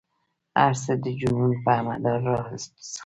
هر څه د جنون په مدار را څرخي.